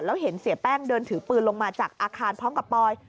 แล้วเห็นเสียแป้งเดินถือปืนลงมาจากอาคารพร้อมกับปอย